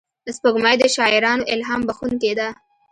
سپوږمۍ د شاعرانو الهام بښونکې ده